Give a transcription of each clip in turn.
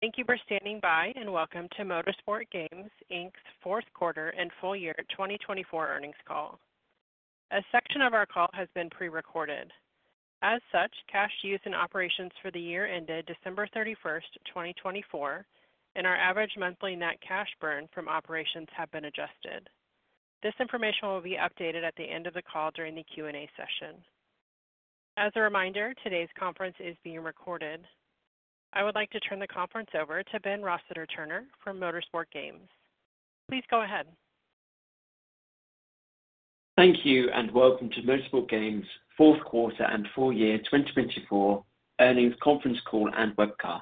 Thank you for standing by and welcome to Motorsport Games Inc fourth quarter and full year 2024 earnings call. A section of our call has been prerecorded. As such, cash used in operations for the year ended December 31, 2024, and our average monthly net cash burn from operations has been adjusted. This information will be updated at the end of the call during the Q&A session. As a reminder, today's conference is being recorded. I would like to turn the conference over to Ben Rossiter-Turner from Motorsport Games. Please go ahead. Thank you and welcome to Motorsport Games' fourth quarter and full year 2024 earnings conference call and webcast.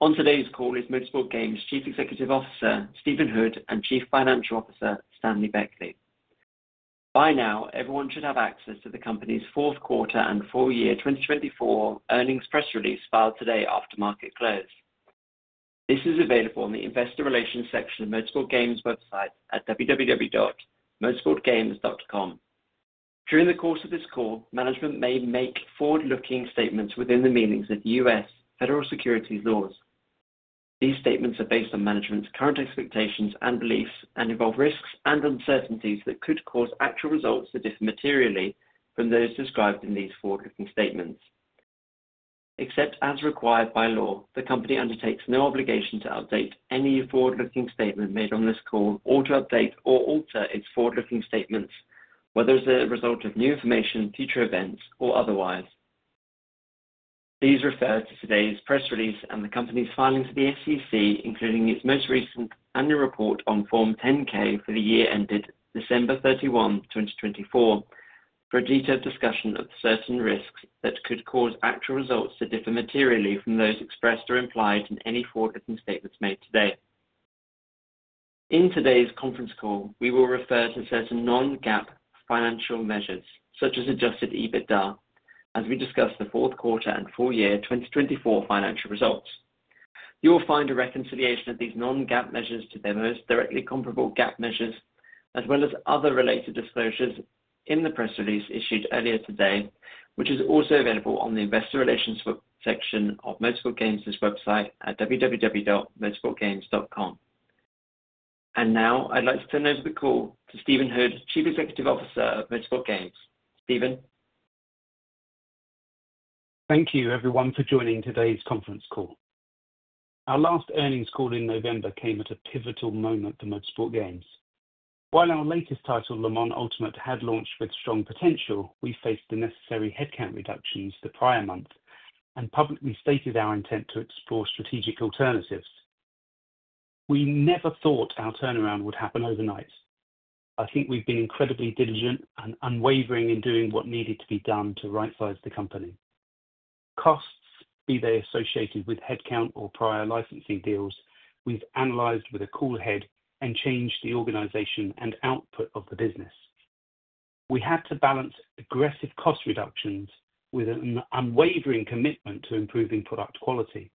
On today's call is Motorsport Games' Chief Executive Officer, Stephen Hood, and Chief Financial Officer, Stanley Beckley. By now, everyone should have access to the company's fourth quarter and full year 2024 earnings press release filed today after market close. This is available in the Investor Relations section of Motorsport Games' website at www.motorsportgames.com. During the course of this call, management may make forward-looking statements within the meanings of U.S. federal securities laws. These statements are based on management's current expectations and beliefs and involve risks and uncertainties that could cause actual results to differ materially from those described in these forward-looking statements. Except as required by law, the company undertakes no obligation to update any forward-looking statement made on this call or to update or alter its forward-looking statements, whether as a result of new information, future events, or otherwise. Please refer to today's press release and the company's filing to the SEC, including its most recent annual report on Form 10-K for the year ended December 31, 2024, for a detailed discussion of certain risks that could cause actual results to differ materially from those expressed or implied in any forward-looking statements made today. In today's conference call, we will refer to certain non-GAAP financial measures, such as adjusted EBITDA, as we discuss the fourth quarter and full year 2024 financial results. You will find a reconciliation of these non-GAAP measures to their most directly comparable GAAP measures, as well as other related disclosures in the press release issued earlier today, which is also available on the Investor Relations section of Motorsport Games' website at www.motorsportgames.com. I would like to turn over the call to Stephen Hood, Chief Executive Officer of Motorsport Games. Stephen? Thank you, everyone, for joining today's conference call. Our last earnings call in November came at a pivotal moment for Motorsport Games. While our latest title, Le Mans Ultimate, had launched with strong potential, we faced the necessary headcount reductions the prior month and publicly stated our intent to explore strategic alternatives. We never thought our turnaround would happen overnight. I think we've been incredibly diligent and unwavering in doing what needed to be done to right-size the company. Costs, be they associated with headcount or prior licensing deals, we've analyzed with a cool head and changed the organization and output of the business. We had to balance aggressive cost reductions with an unwavering commitment to improving product quality.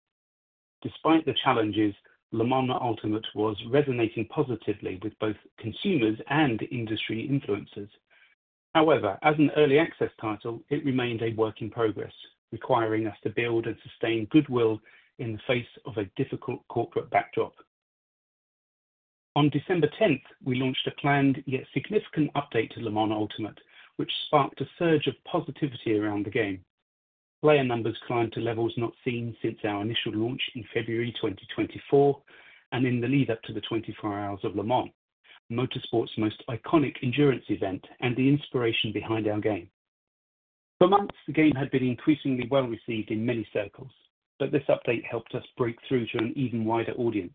Despite the challenges, Le Mans Ultimate was resonating positively with both consumers and industry influencers. However, as an early access title, it remained a work in progress, requiring us to build and sustain goodwill in the face of a difficult corporate backdrop. On December 10th, we launched a planned yet significant update to Le Mans Ultimate, which sparked a surge of positivity around the game. Player numbers climbed to levels not seen since our initial launch in February 2024 and in the lead-up to the 24 Hours of Le Mans, Motorsport's most iconic endurance event and the inspiration behind our game. For months, the game had been increasingly well-received in many circles, but this update helped us break through to an even wider audience.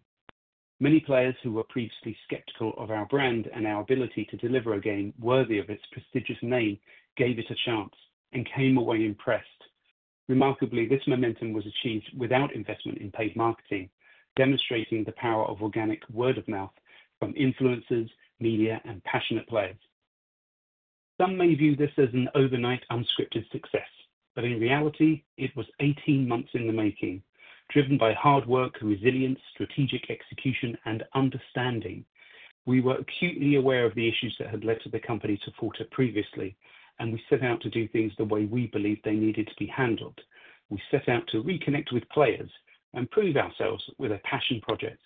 Many players who were previously skeptical of our brand and our ability to deliver a game worthy of its prestigious name gave it a chance and came away impressed. Remarkably, this momentum was achieved without investment in paid marketing, demonstrating the power of organic word-of-mouth from influencers, media, and passionate players. Some may view this as an overnight unscripted success, but in reality, it was 18 months in the making. Driven by hard work, resilience, strategic execution, and understanding, we were acutely aware of the issues that had led the company to falter previously, and we set out to do things the way we believed they needed to be handled. We set out to reconnect with players and prove ourselves with a passion project.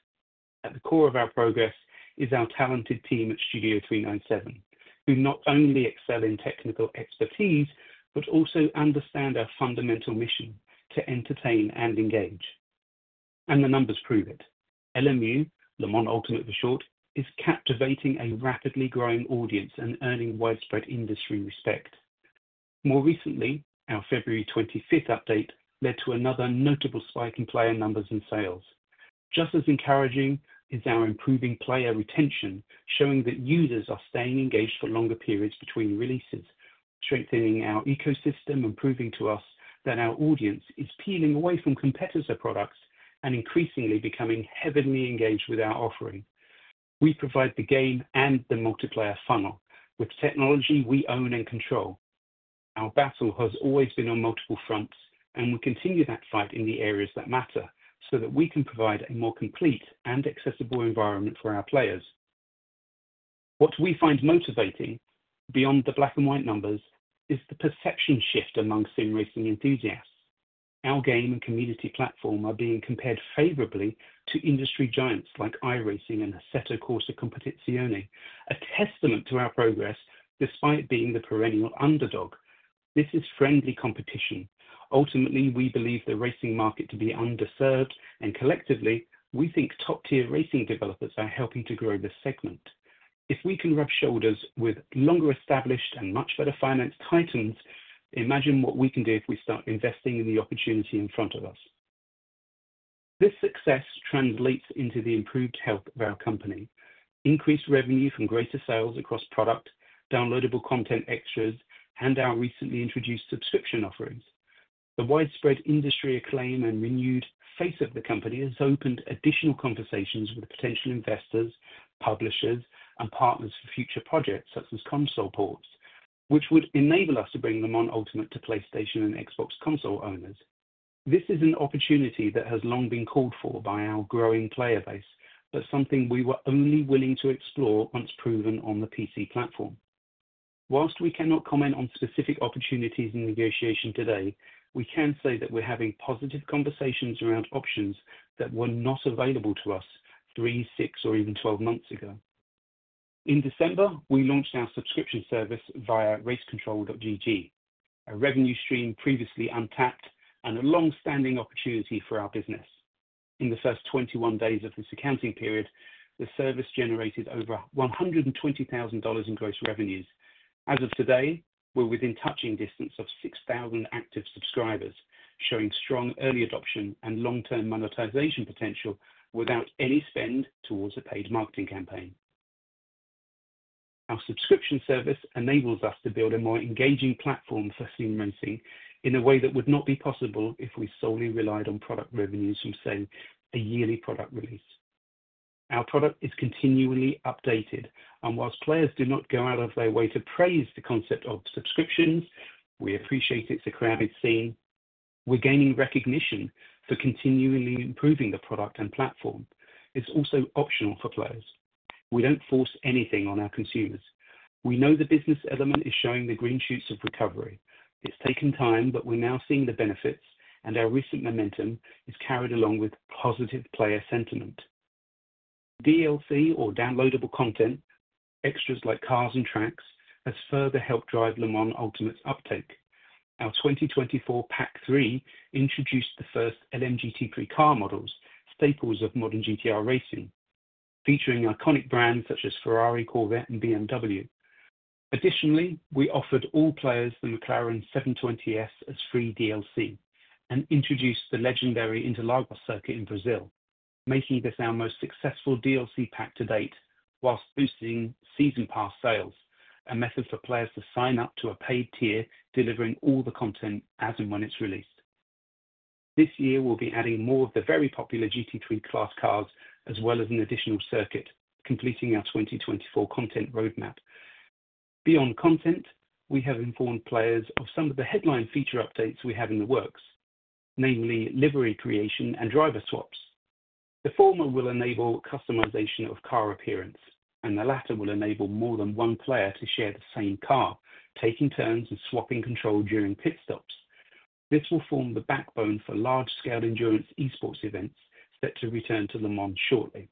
At the core of our progress is our talented team at Studio 397, who not only excel in technical expertise but also understand our fundamental mission to entertain and engage. The numbers prove it. LMU, Le Mans Ultimate for short, is captivating a rapidly growing audience and earning widespread industry respect. More recently, our February 25th update led to another notable spike in player numbers and sales. Just as encouraging is our improving player retention, showing that users are staying engaged for longer periods between releases, strengthening our ecosystem and proving to us that our audience is peeling away from competitor products and increasingly becoming heavily engaged with our offering. We provide the game and the multiplayer funnel with technology we own and control. Our battle has always been on multiple fronts, and we continue that fight in the areas that matter so that we can provide a more complete and accessible environment for our players. What we find motivating, beyond the black-and-white numbers, is the perception shift among sim racing enthusiasts. Our game and community platform are being compared favorably to industry giants like iRacing and Assetto Corsa Competizione, a testament to our progress despite being the perennial underdog. This is friendly competition. Ultimately, we believe the racing market to be underserved, and collectively, we think top-tier racing developers are helping to grow this segment. If we can rub shoulders with longer-established and much better financed titans, imagine what we can do if we start investing in the opportunity in front of us. This success translates into the improved health of our company: increased revenue from greater sales across product, downloadable content extras, and our recently introduced subscription offerings. The widespread industry acclaim and renewed face of the company has opened additional conversations with potential investors, publishers, and partners for future projects such as console ports, which would enable us to bring Le Mans Ultimate to PlayStation and Xbox console owners. This is an opportunity that has long been called for by our growing player base, but something we were only willing to explore once proven on the PC platform. Whilst we cannot comment on specific opportunities in negotiation today, we can say that we're having positive conversations around options that were not available to us three, six, or even twelve months ago. In December, we launched our subscription service via racecontrol.gg, a revenue stream previously untapped and a long-standing opportunity for our business. In the first 21 days of this accounting period, the service generated over $120,000 in gross revenues. As of today, we're within touching distance of 6,000 active subscribers, showing strong early adoption and long-term monetization potential without any spend towards a paid marketing campaign. Our subscription service enables us to build a more engaging platform for sim racing in a way that would not be possible if we solely relied on product revenues from, say, a yearly product release. Our product is continually updated, and whilst players do not go out of their way to praise the concept of subscriptions, we appreciate it's a crowded scene, we're gaining recognition for continually improving the product and platform. It's also optional for players. We don't force anything on our consumers. We know the business element is showing the green shoots of recovery. It's taken time, but we're now seeing the benefits, and our recent momentum is carried along with positive player sentiment. DLC or downloadable content, extras like cars and tracks, has further helped drive Le Mans Ultimate's uptake. Our 2024 Pack 3 introduced the first LMGT3 car models, staples of modern GT racing, featuring iconic brands such as Ferrari, Corvette, and BMW. Additionally, we offered all players the McLaren 720S as free DLC and introduced the legendary Interlagos circuit in Brazil, making this our most successful DLC pack to date whilst boosting season-pass sales, a method for players to sign up to a paid tier delivering all the content as and when it's released. This year, we'll be adding more of the very popular GT3 class cars as well as an additional circuit, completing our 2024 content roadmap. Beyond content, we have informed players of some of the headline feature updates we have in the works, namely livery creation and driver swaps. The former will enable customization of car appearance, and the latter will enable more than one player to share the same car, taking turns and swapping control during pit stops. This will form the backbone for large-scale endurance eSports events set to return to Le Mans shortly.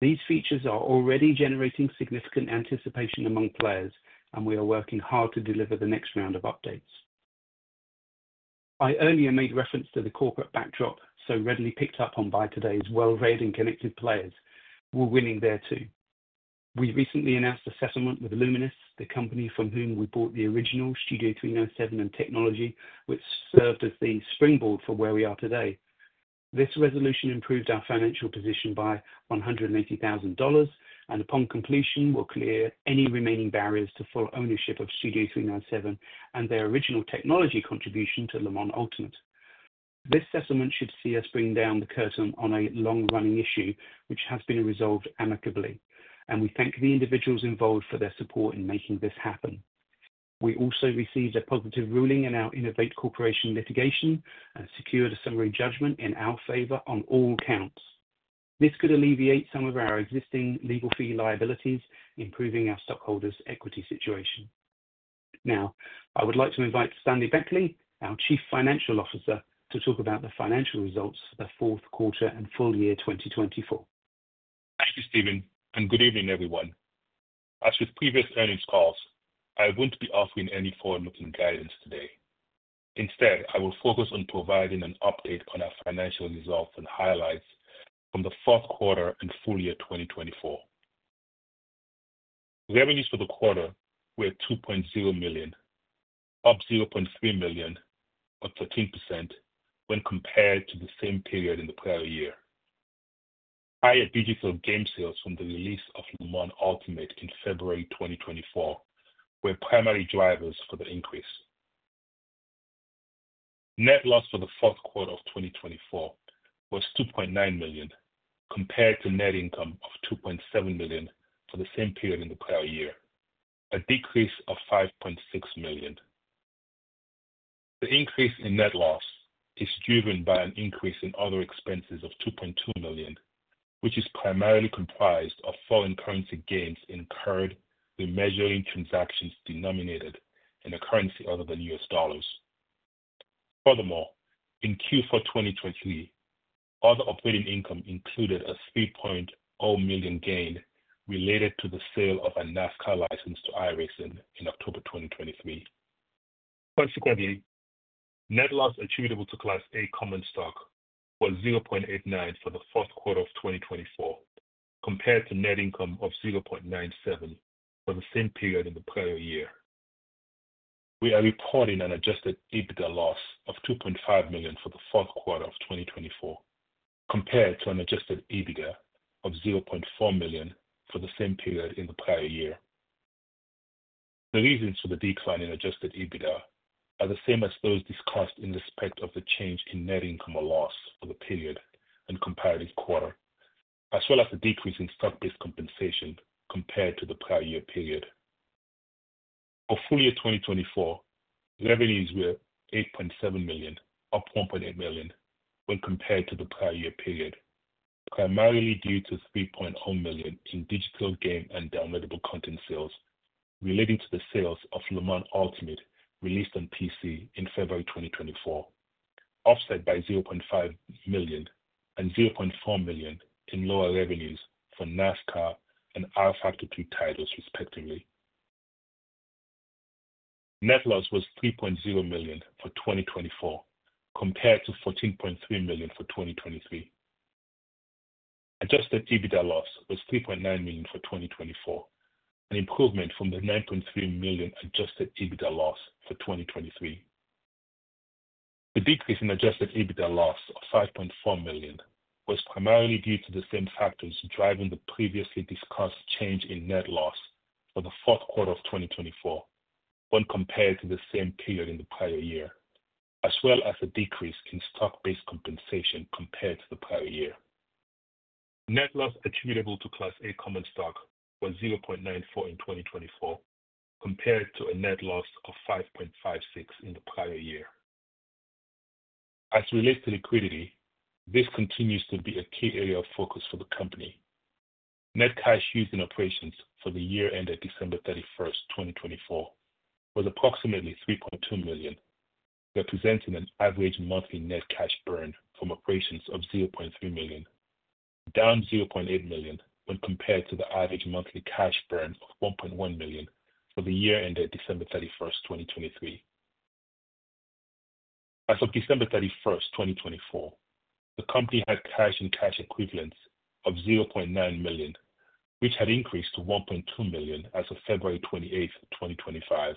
These features are already generating significant anticipation among players, and we are working hard to deliver the next round of updates. I earlier made reference to the corporate backdrop, so readily picked up on by today's well-read and connected players, who are winning there too. We recently announced a settlement with Luminis, the company from whom we bought the original Studio 397 and technology, which served as the springboard for where we are today. This resolution improved our financial position by $180,000, and upon completion, we'll clear any remaining barriers to full ownership of Studio 397 and their original technology contribution to Le Mans Ultimate. This settlement should see us bring down the curtain on a long-running issue, which has been resolved amicably, and we thank the individuals involved for their support in making this happen. We also received a positive ruling in our Innovate Corporation litigation and secured a summary judgment in our favor on all counts. This could alleviate some of our existing legal fee liabilities, improving our stockholders' equity situation. Now, I would like to invite Stanley Beckley, our Chief Financial Officer, to talk about the financial results for the fourth quarter and full year 2024. Thank you, Stephen, and good evening, everyone. As with previous earnings calls, I won't be offering any forward-looking guidance today. Instead, I will focus on providing an update on our financial results and highlights from the fourth quarter and full year 2024. Revenues for the quarter were $2.0 million, up $0.3 million or 13% when compared to the same period in the prior year. Higher digital game sales from the release of Le Mans Ultimate in February 2024 were primary drivers for the increase. Net loss for the fourth quarter of 2024 was $2.9 million, compared to net income of $2.7 million for the same period in the prior year, a decrease of $5.6 million. The increase in net loss is driven by an increase in other expenses of $2.2 million, which is primarily comprised of foreign currency gains incurred through measuring transactions denominated in a currency other than US dollars. Furthermore, in Q4 2023, other operating income included a $3.0 million gain related to the sale of a NASCAR license to iRacing in October 2023. Consequently, net loss attributable to Class A common stock was $0.89 for the fourth quarter of 2024, compared to net income of $0.97 for the same period in the prior year. We are reporting an adjusted EBITDA loss of $2.5 million for the fourth quarter of 2024, compared to an adjusted EBITDA of $0.4 million for the same period in the prior year. The reasons for the decline in adjusted EBITDA are the same as those discussed in respect of the change in net income or loss for the period and comparative quarter, as well as the decrease in stock-based compensation compared to the prior year period. For full year 2024, revenues were $8.7 million, up $1.8 million when compared to the prior year period, primarily due to $3.0 million in digital game and downloadable content sales relating to the sales of Le Mans Ultimate released on PC in February 2024, offset by $0.5 million and $0.4 million in lower revenues for NASCAR and rFactor 2 titles, respectively. Net loss was $3.0 million for 2024, compared to $14.3 million for 2023. Adjusted EBITDA loss was $3.9 million for 2024, an improvement from the $9.3 million adjusted EBITDA loss for 2023. The decrease in adjusted EBITDA loss of $5.4 million was primarily due to the same factors driving the previously discussed change in net loss for the fourth quarter of 2024, when compared to the same period in the prior year, as well as a decrease in stock-based compensation compared to the prior year. Net loss attributable to Class A common stock was $0.94 million in 2024, compared to a net loss of $5.56 million in the prior year. As it relates to liquidity, this continues to be a key area of focus for the company. Net cash used in operations for the year ended December 31, 2024, was approximately $3.2 million, representing an average monthly net cash burn from operations of $0.3 million, down $0.8 million when compared to the average monthly cash burn of $1.1 million for the year ended December 31, 2023. As of December 31, 2024, the company had cash and cash equivalents of $0.9 million, which had increased to $1.2 million as of February 28, 2025.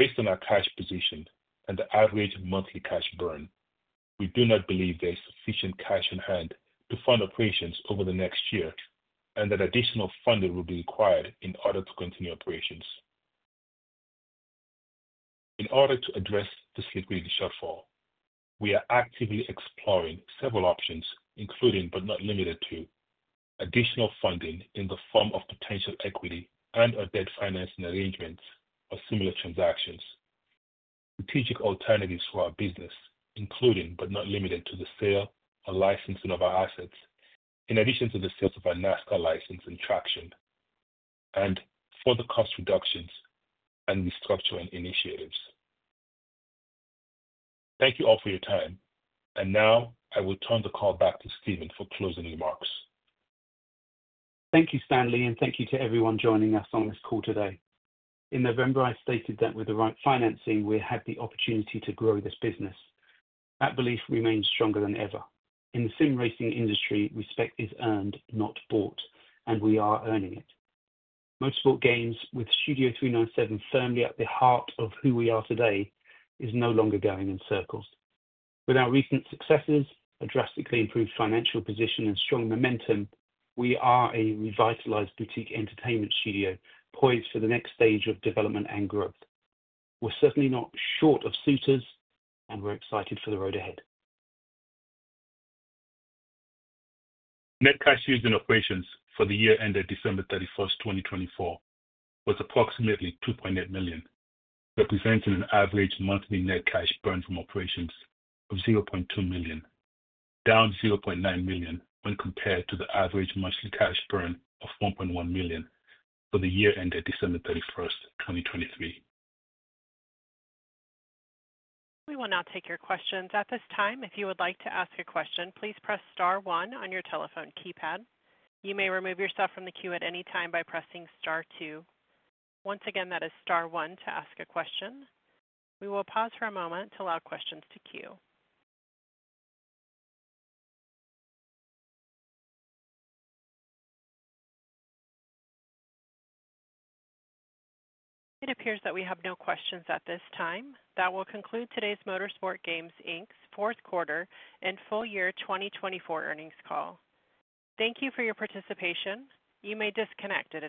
Based on our cash position and the average monthly cash burn, we do not believe there is sufficient cash on hand to fund operations over the next year and that additional funding will be required in order to continue operations. In order to address this liquidity shortfall, we are actively exploring several options, including but not limited to, additional funding in the form of potential equity and/or debt financing arrangements or similar transactions, strategic alternatives for our business, including but not limited to the sale or licensing of our assets, in addition to the sales of our NASCAR license and Traxion, and further cost reductions and restructuring initiatives. Thank you all for your time, and now I will turn the call back to Stephen for closing remarks. Thank you, Stanley, and thank you to everyone joining us on this call today. In November, I stated that with the right financing, we had the opportunity to grow this business. That belief remains stronger than ever. In the sim racing industry, respect is earned, not bought, and we are earning it. Motorsport Games, with Studio 397 firmly at the heart of who we are today, is no longer going in circles. With our recent successes, a drastically improved financial position, and strong momentum, we are a revitalized boutique entertainment studio poised for the next stage of development and growth. We're certainly not short of suitors, and we're excited for the road ahead. Net cash used in operations for the year ended December 31, 2024, was approximately $2.8 million, representing an average monthly net cash burn from operations of $0.2 million, down $0.9 million when compared to the average monthly cash burn of $1.1 million for the year ended December 31, 2023. We will now take your questions. At this time, if you would like to ask a question, please press star one on your telephone keypad. You may remove yourself from the queue at any time by pressing star two. Once again, that is star one to ask a question. We will pause for a moment to allow questions to queue. It appears that we have no questions at this time. That will conclude today's Motorsport Games fourth quarter and full year 2024 earnings call. Thank you for your participation. You may disconnect at.